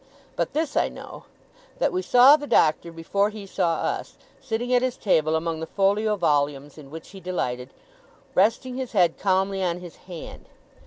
But this I know, that we saw the Doctor before he saw us, sitting at his table, among the folio volumes in which he delighted, resting his head calmly on his hand.